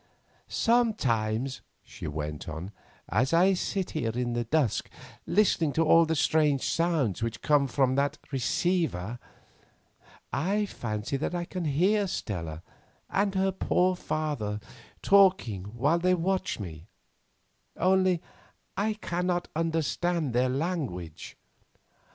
"Sometimes," she went on, "as I sit here at dusk listening to all the strange sounds which come from that receiver, I fancy that I can hear Stella and her poor father talking while they watch me; only I cannot understand their language."